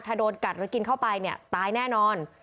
ถ้าโดนกัดหรือกินเข้าไปเนี่ยตายแน่นอน